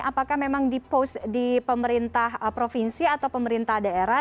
apakah memang dipost di pemerintah provinsi atau pemerintah daerah